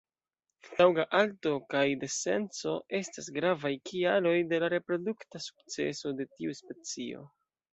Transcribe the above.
Taŭga alto kaj denseco estas gravaj kialoj de la reprodukta sukceso de tiu specio.